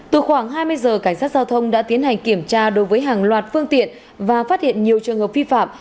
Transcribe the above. từ khoảng hai mươi giờ cảnh sát giao thông đã tiến hành kiểm tra đối với hàng loạt phương tiện và phát hiện nhiều trường hợp vi phạm